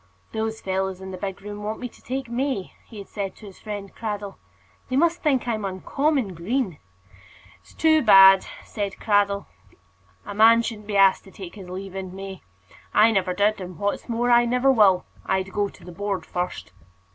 "Those fellows in the big room want me to take May," he had said to his friend Cradell. "They must think I'm uncommon green." "It's too bad," said Cradell. "A man shouldn't be asked to take his leave in May. I never did, and what's more, I never will. I'd go to the Board first."